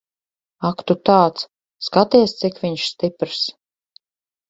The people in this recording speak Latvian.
Ak tu tāds. Skaties, cik viņš stiprs.